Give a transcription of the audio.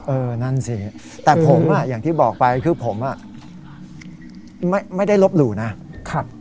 เออนั่นสิแต่ผมอ่ะอย่างที่บอกไปคือผมอ่ะไม่ได้ลบหลู่นะครับ